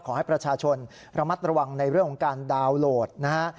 ขอให้ประชาชนระมัดระวังในเรื่องของการดาวน์โหลดนะฮะ